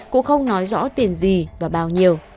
cũng không nói rõ tiền gì và bao nhiêu